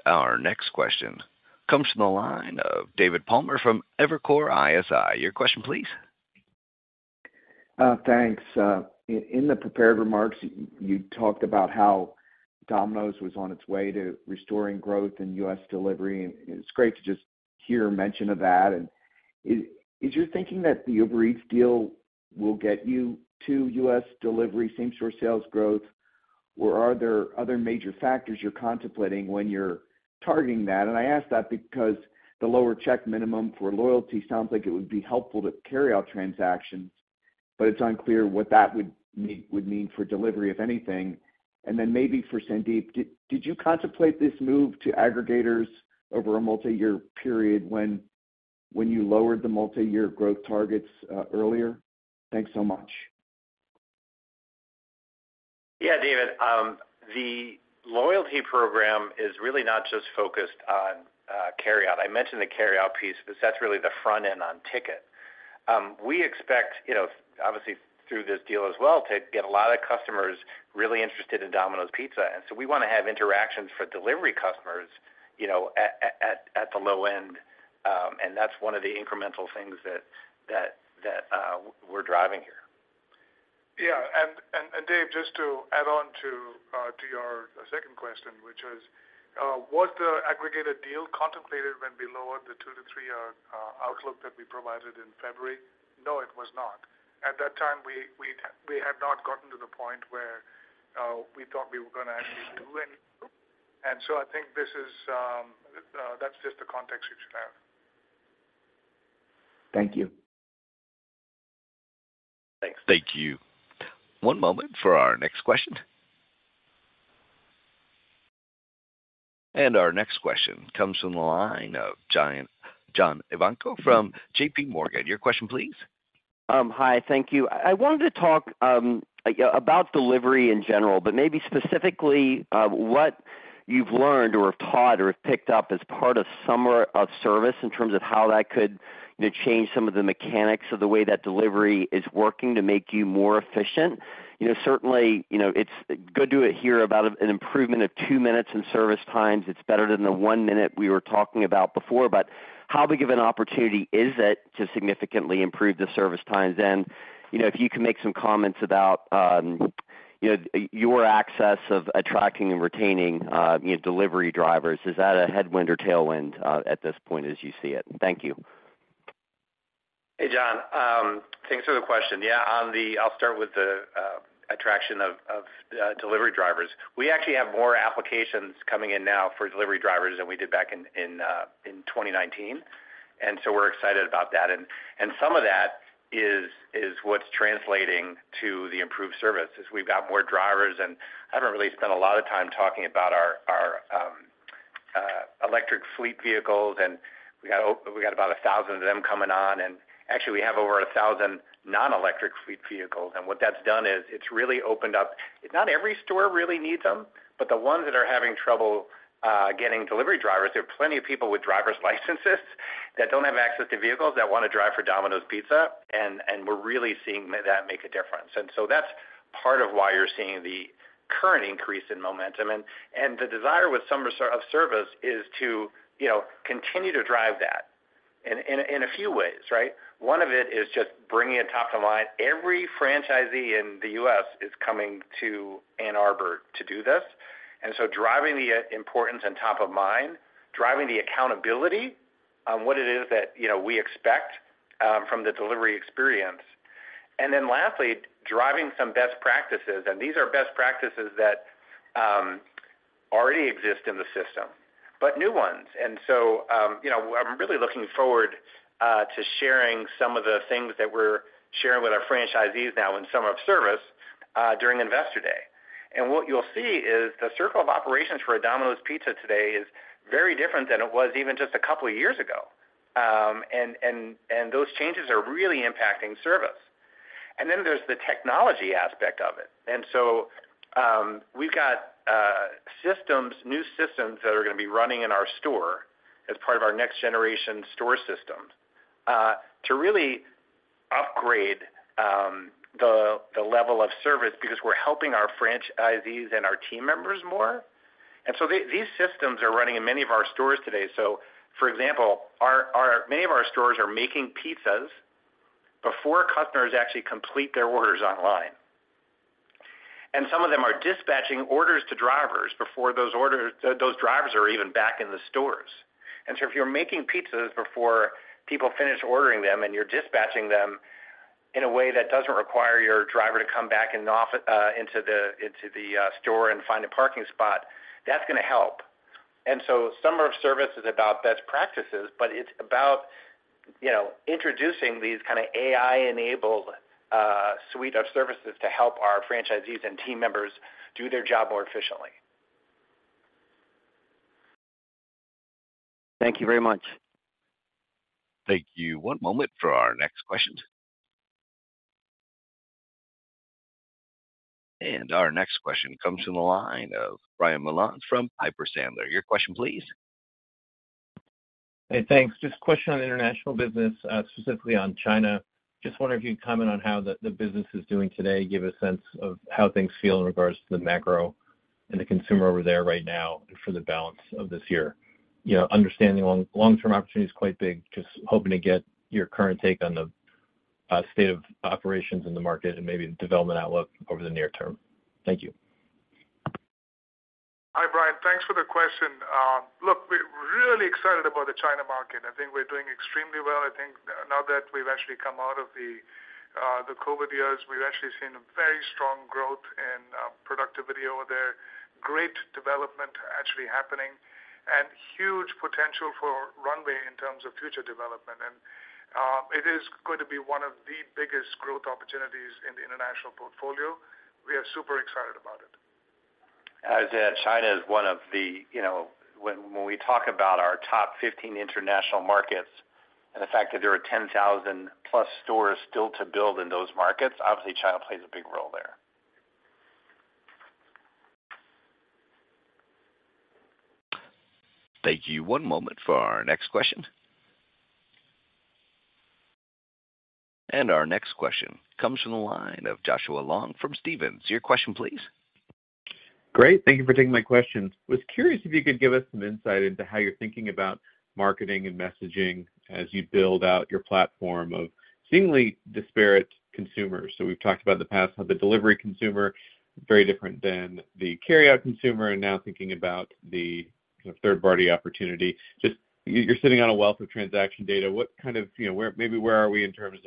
Our next question comes from the line of David Palmer from Evercore ISI. Your question, please. Thanks. In the prepared remarks, you talked about how Domino's was on its way to restoring growth in U.S. delivery, and it's great to just hear mention of that. Is your thinking that the Uber Eats deal will get you to U.S. delivery same-store sales growth, or are there other major factors you're contemplating when you're targeting that? I ask that because the lower check minimum for loyalty sounds like it would be helpful to carry out transactions, but it's unclear what that would mean for delivery, if anything. Then maybe for Sandeep, did you contemplate this move to aggregators over a multi-year period when you lowered the multi-year growth targets earlier? Thanks so much. Yeah, David, the loyalty program is really not just focused on carryout. I mentioned the carryout piece because that's really the front end on ticket. We expect, you know, obviously, through this deal as well, to get a lot of customers really interested in Domino's Pizza. We wanna have interactions for delivery customers, you know, at the low end, and that's one of the incremental things that we're driving here. Yeah, and Dave, just to add on to your second question, which was the aggregator deal contemplated when we lowered the 2-3 year outlook that we provided in February? No, it was not. At that time, we had not gotten to the point where we thought we were gonna actually do it. I think this is, that's just the context you should have. Thank you. Thanks. Thank you. One moment for our next question. Our next question comes from the line of John Ivankoe from JPMorgan. Your question, please. Hi, thank you. I wanted to talk about delivery in general, but maybe specifically, what you've learned or have taught or have picked up as part of Summer of Service in terms of how that could, you know, change some of the mechanics of the way that delivery is working to make you more efficient. You know, certainly, you know, it's good to hear about an improvement of 2 minutes in service times. It's better than the 1 minute we were talking about before, how big of an opportunity is it to significantly improve the service times? You know, if you can make some comments about, you know, your access of attracting and retaining, you know, delivery drivers, is that a headwind or tailwind at this point, as you see it? Thank you. Hey, John, thanks for the question. Yeah, I'll start with the attraction of delivery drivers. We actually have more applications coming in now for delivery drivers than we did back in 2019, we're excited about that. Some of that is what's translating to the improved service. Is we've got more drivers, I haven't really spent a lot of time talking about our electric fleet vehicles, we got about 1,000 of them coming on, actually, we have over 1,000 non-electric fleet vehicles. What that's done is, it's really opened up... Not every store really needs them, but the ones that are having trouble, getting delivery drivers, there are plenty of people with driver's licenses that don't have access to vehicles, that wanna drive for Domino's Pizza, and we're really seeing that make a difference. That's part of why you're seeing the current increase in momentum. The desire with Summer of Service is to, you know, continue to drive that in a few ways, right? One of it is just bringing it top of mind. Every franchisee in the U.S. is coming to Ann Arbor to do this, and so driving the importance and top of mind, driving the accountability on what it is that, you know, we expect from the delivery experience. Then lastly, driving some best practices, and these are best practices that already exist in the system, but new ones. You know, I'm really looking forward to sharing some of the things that we're sharing with our franchisees now in Summer of Service during Investor Day. What you'll see is the circle of operations for a Domino's Pizza today is very different than it was even just a couple of years ago. And those changes are really impacting service. Then there's the technology aspect of it. We've got systems, new systems that are gonna be running in our store as part of our next generation store system to really upgrade the level of service because we're helping our franchisees and our team members more. These systems are running in many of our stores today. For example, many of our stores are making pizzas before customers actually complete their orders online. Some of them are dispatching orders to drivers before those drivers are even back in the stores. If you're making pizzas before people finish ordering them, and you're dispatching them in a way that doesn't require your driver to come back into the store and find a parking spot, that's gonna help. Summer of Service is about best practices, but it's about, you know, introducing these kind of AI-enabled suite of services to help our franchisees and team members do their job more efficiently. Thank you very much. Thank you. One moment for our next question. Our next question comes from the line of Brian Mullan from Piper Sandler. Your question, please. Hey, thanks. Just a question on international business, specifically on China. Just wondering if you could comment on how the business is doing today, give a sense of how things feel in regards to the macro and the consumer over there right now and for the balance of this year. You know, understanding long-term opportunity is quite big. Just hoping to get your current take on the state of operations in the market and maybe the development outlook over the near term. Thank you. Hi, Brian. Thanks for the question. look, we're really excited about the China market. I think we're doing extremely well. I think now that we've actually come out of the COVID years, we've actually seen a very strong growth in productivity over there. Great development actually happening, and huge potential for runway in terms of future development. it is going to be one of the biggest growth opportunities in the international portfolio. We are super excited about it. You know, when we talk about our top 15 international markets and the fact that there are 10,000 plus stores still to build in those markets, obviously, China plays a big role there. Thank you. One moment for our next question. Our next question comes from the line of Joshua Long from Stephens. Your question, please. Great. Thank you for taking my question. Was curious if you could give us some insight into how you're thinking about marketing and messaging as you build out your platform of seemingly disparate consumers. We've talked about in the past, how the delivery consumer, very different than the carryout consumer, and now thinking about the third-party opportunity. You're sitting on a wealth of transaction data. What kind of, you know, where, maybe where are we in terms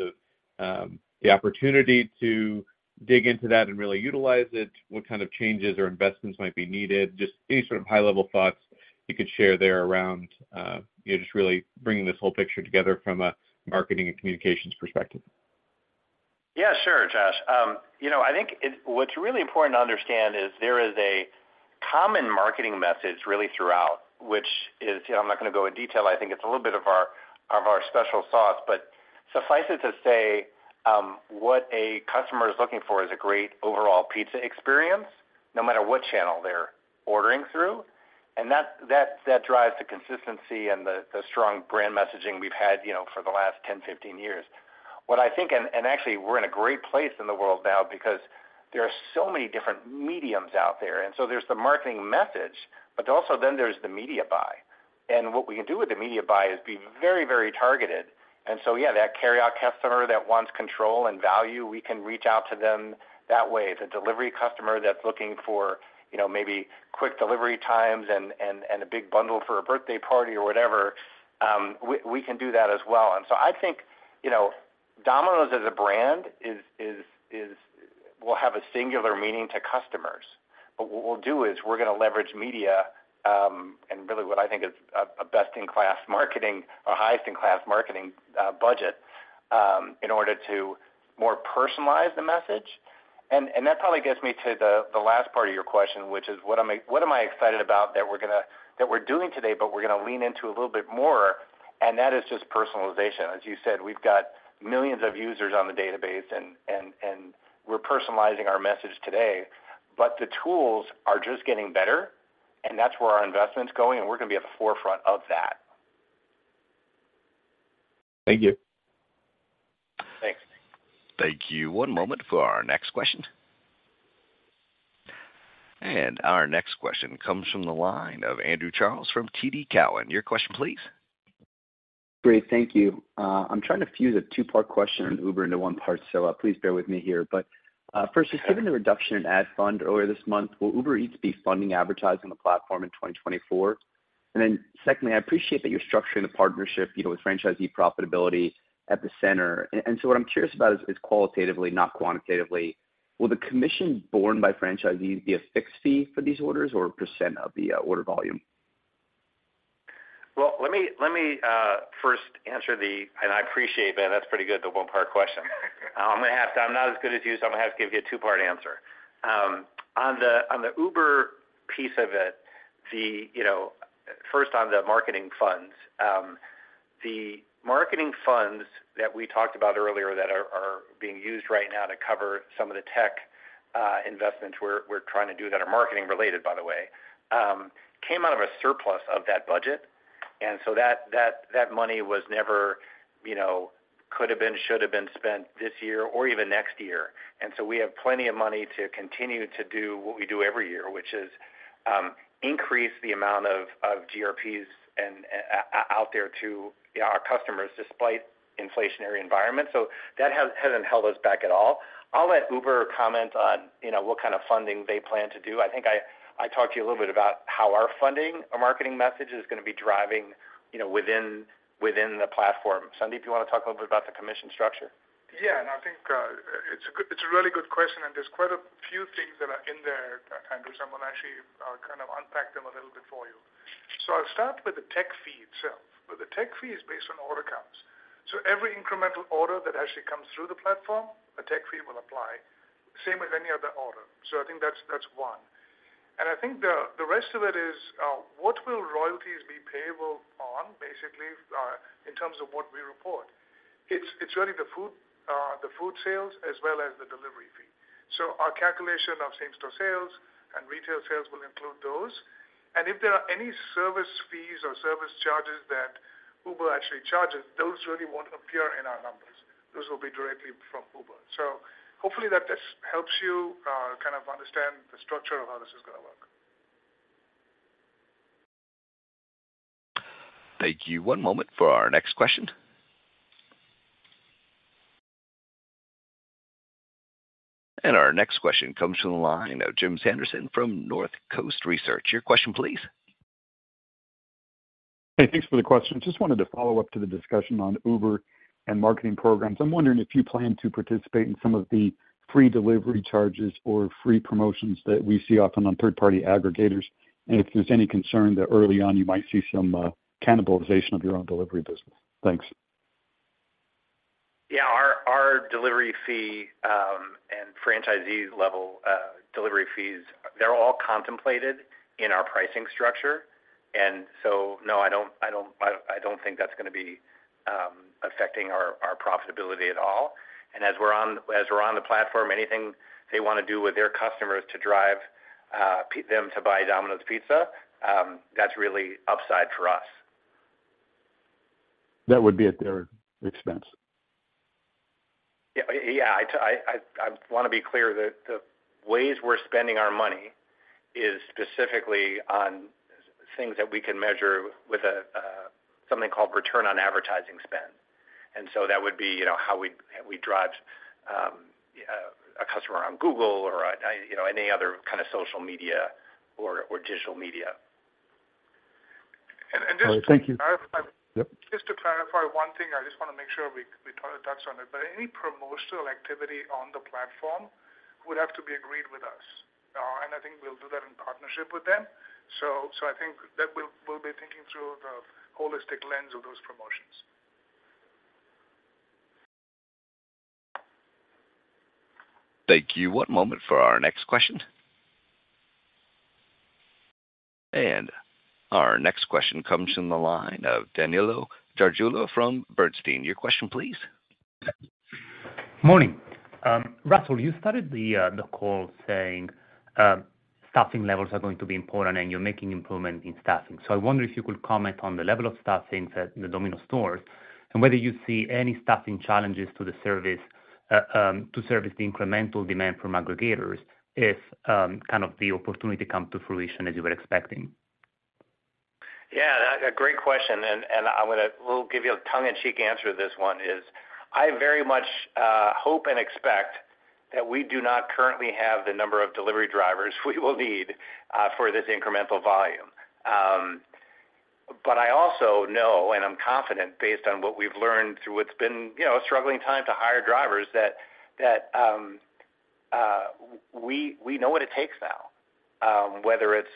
of the opportunity to dig into that and really utilize it? What kind of changes or investments might be needed? Any sort of high-level thoughts you could share there around, you know, just really bringing this whole picture together from a marketing and communications perspective. Yeah, sure, Josh. You know, what's really important to understand is there is a common marketing message really throughout, which is, you know, I'm not going to go in detail. I think it's a little bit of our special sauce, but suffice it to say, what a customer is looking for is a great overall pizza experience, no matter what channel they're ordering through. That drives the consistency and the strong brand messaging we've had, you know, for the last 10, 15 years. What I think, and actually, we're in a great place in the world now because there are so many different mediums out there. There's the marketing message, but also then there's the media buy. What we can do with the media buy is be very targeted. Yeah, that carryout customer that wants control and value, we can reach out to them that way. The delivery customer that's looking for, you know, maybe quick delivery times and a big bundle for a birthday party or whatever, we can do that as well. I think, you know, Domino's as a brand will have a singular meaning to customers. But what we'll do is we're gonna leverage media and really what I think is a best-in-class marketing or highest-in-class marketing budget in order to more personalize the message. That probably gets me to the last part of your question, which is: What am I excited about that we're doing today, but we're gonna lean into a little bit more? That is just personalization. As you said, we've got millions of users on the database and we're personalizing our message today. The tools are just getting better. That's where our investment's going. We're going to be at the forefront of that. Thank you. Thanks. Thank you. One moment for our next question. Our next question comes from the line of Andrew Charles from TD Cowen. Your question, please. Great, thank you. I'm trying to fuse a two-part question on Uber into one part, so, please bear with me here. First, just given the reduction in ad fund earlier this month, will Uber Eats be funding advertising the platform in 2024? Then secondly, I appreciate that you're structuring the partnership, you know, with franchisee profitability at the center. What I'm curious about is qualitatively, not quantitatively, will the commission borne by franchisees be a fixed fee for these orders or a percent of the order volume? Well, let me first answer the. I appreciate that. That's pretty good, the one-part question. I'm gonna have to I'm not as good as you, so I'm gonna have to give you a two-part answer. On the Uber piece of it, you know, first on the marketing funds. The marketing funds that we talked about earlier that are being used right now to cover some of the tech investments we're trying to do that are marketing related, by the way, came out of a surplus of that budget. That money was never, you know, could have been, should have been spent this year or even next year. We have plenty of money to continue to do what we do every year, which is increase the amount of GRPs out there to our customers, despite inflationary environment. That hasn't held us back at all. I'll let Uber comment on, you know, what kind of funding they plan to do. I think I talked to you a little bit about how our funding or marketing message is gonna be driving, you know, within the platform. Sandeep, you want to talk a little bit about the commission structure? I think it's a really good question, there's quite a few things that are in there, Andrew, I'm gonna actually kind of unpack them a little bit for you. I'll start with the tech fee itself. Well, the tech fee is based on order counts. Every incremental order that actually comes through the platform, a tech fee will apply, same with any other order. I think that's one. I think the rest of it is what will royalties be payable on, basically, in terms of what we report? It's really the food, the food sales as well as the delivery fee. Our calculation of same-store sales and retail sales will include those. If there are any service fees or service charges that Uber actually charges, those really won't appear in our numbers. Those will be directly from Uber. Hopefully that this helps you kind of understand the structure of how this is gonna work. Thank you. One moment for our next question. Our next question comes from the line of Jim Sanderson from Northcoast Research. Your question, please. Hey, thanks for the question. Just wanted to follow up to the discussion on Uber and marketing programs. I'm wondering if you plan to participate in some of the free delivery charges or free promotions that we see often on third-party aggregators, if there's any concern that early on you might see some cannibalization of your own delivery business? Thanks. Yeah, our delivery fee, and franchisee level delivery fees, they're all contemplated in our pricing structure. No, I don't think that's gonna be affecting our profitability at all. As we're on the platform, anything they wanna do with their customers to drive them to buy Domino's Pizza, that's really upside for us. That would be at their expense. Yeah, I wanna be clear that the ways we're spending our money is specifically on things that we can measure with a something called return on advertising spend. That would be, you know, how we drive a customer on Google or, you know, any other kind of social media or digital media. And just- Thank you. Just to clarify one thing, I just wanna make sure we touch on it. Any promotional activity on the platform would have to be agreed with us, and I think we'll do that in partnership with them. I think that we'll be thinking through the holistic lens of those promotions. Thank you. One moment for our next question. Our next question comes from the line of Danilo Gargiulo from Bernstein. Your question, please. Morning. Russell, you started the call saying staffing levels are going to be important, and you're making improvement in staffing. I wonder if you could comment on the level of staffing at the Domino's stores and whether you see any staffing challenges to the service to service the incremental demand from aggregators if kind of the opportunity come to fruition as you were expecting? Yeah, a great question, and I will give you a tongue-in-cheek answer to this one, is I very much hope and expect that we do not currently have the number of delivery drivers we will need for this incremental volume. I also know, and I'm confident, based on what we've learned through what's been, you know, a struggling time to hire drivers, that we know what it takes now, whether it's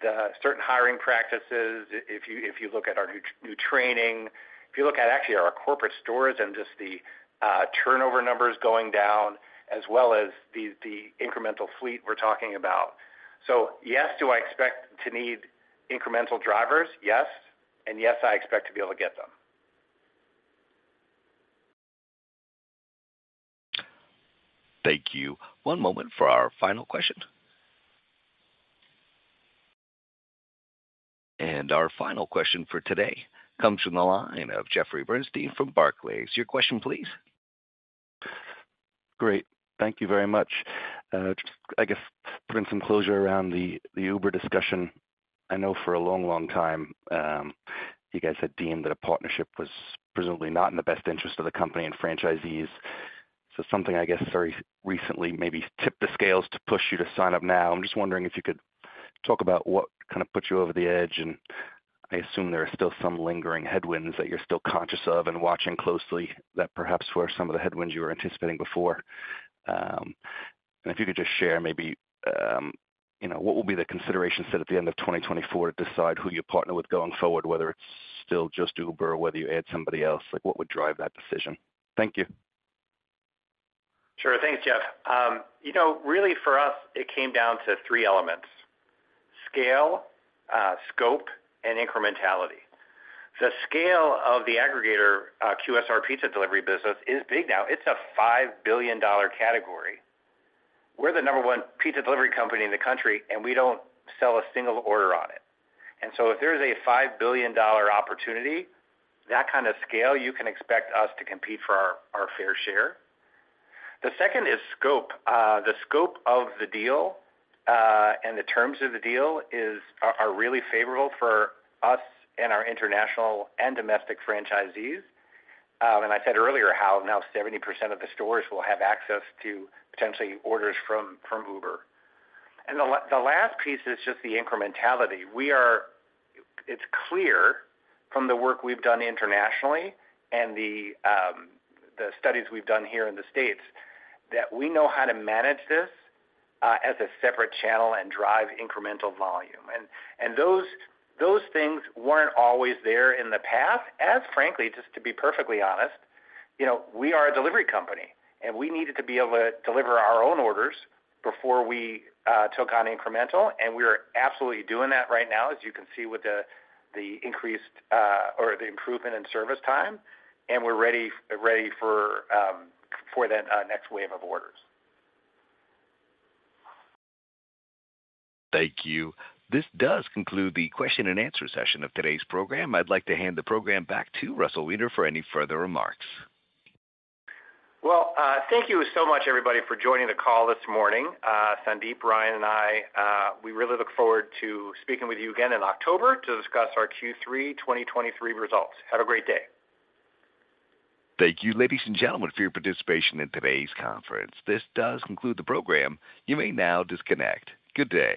the certain hiring practices, if you look at our new training, if you look at actually our corporate stores and just the turnover numbers going down, as well as the incremental fleet we're talking about. Yes, do I expect to need incremental drivers? Yes. Yes, I expect to be able to get them. Thank you. One moment for our final question. Our final question for today comes from the line of Jeffrey Bernstein from Barclays. Your question, please. Great. Thank you very much. Just I guess to bring some closure around the Uber discussion. I know for a long, long time, you guys had deemed that a partnership was presumably not in the best interest of the company and franchisees. Something, I guess, very recently maybe tipped the scales to push you to sign up now. I'm just wondering if you could talk about what kind of put you over the edge. I assume there are still some lingering headwinds that you're still conscious of and watching closely, that perhaps were some of the headwinds you were anticipating before. If you could just share, maybe, you know, what will be the consideration set at the end of 2024 to decide who you partner with going forward, whether it's still just Uber or whether you add somebody else, like, what would drive that decision? Thank you. Sure. Thanks, Jeff. You know, really, for us, it came down to three elements: scale, scope, and incrementality. The scale of the aggregator, QSR pizza delivery business is big now. It's a $5 billion category. We're the number one pizza delivery company in the country, and we don't sell a single order on it. If there's a $5 billion opportunity, that kind of scale, you can expect us to compete for our fair share. The second is scope. The scope of the deal, and the terms of the deal is, are really favorable for us and our international and domestic franchisees. I said earlier, how now 70% of the stores will have access to potentially orders from Uber. The last piece is just the incrementality. It's clear from the work we've done internationally and the studies we've done here in the States, that we know how to manage this as a separate channel and drive incremental volume. Those things weren't always there in the past, as frankly, just to be perfectly honest, you know, we are a delivery company, and we needed to be able to deliver our own orders before we took on incremental, and we are absolutely doing that right now, as you can see, with the increased or the improvement in service time, and we're ready for that next wave of orders. Thank you. This does conclude the question and answer session of today's program. I'd like to hand the program back to Russell Weiner for any further remarks. Well, thank you so much, everybody, for joining the call this morning. Sandeep, Brian, and I, we really look forward to speaking with you again in October to discuss our Q3 2023 results. Have a great day. Thank you, ladies and gentlemen, for your participation in today's conference. This does conclude the program. You may now disconnect. Good day!